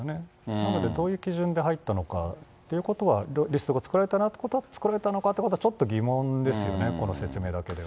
なので、どういう基準で入ったのかということは、リストが作られたのかということは、ちょっと疑問ですよね、この説明だけでは。